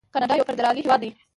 کاناډا یو فدرالي هیواد دی.